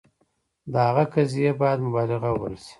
د هغه قضیې باید مبالغه وبلل شي.